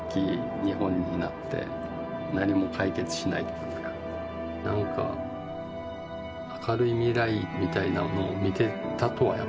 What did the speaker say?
日本になって何も解決しないというかなんか明るい未来みたいなもの見てたとはやっぱ思えないですよね。